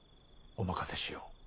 お任せしよう。